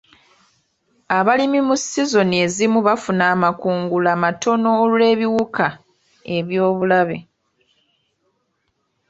Abalimi mu sizoni ezimu bafuna amakungula matono olw'ebiwuka eby'obulabe.